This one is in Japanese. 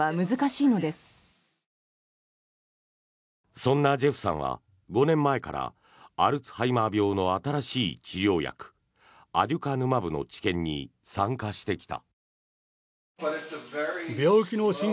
そんなジェフさんは５年前からアルツハイマー病の新しい治療薬アデュカヌマブの治験に参加してきた。